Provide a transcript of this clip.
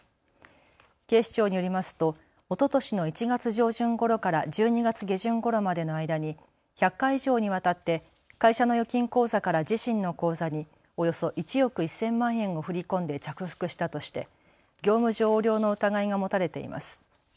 警視庁によりますとおととしの１月上旬ごろから１２月下旬ごろまでの間に１００回以上にわたって会社の預金口座から自身の口座におよそ１億１０００万円を振り込んで着服したとして業務上横領の疑いが持たれています。